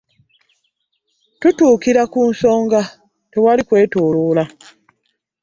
Tutuukira ku nsonga tewali bya kwetoloola.